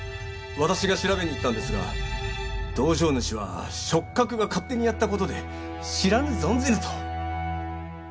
私が調べに行ったんですが道場主は食客が勝手にやった事で知らぬ存ぜぬと。